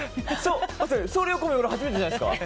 送料込み、俺初めてじゃないですか？